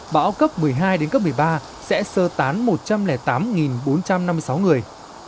bão cấp một mươi hai đến cấp một mươi ba sẽ sơ tán một trăm linh tám bốn trăm năm mươi sáu người